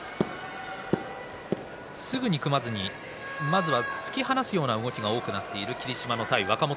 すぐに組まずにまずは突き放すような動きが多くなっている霧島の対若元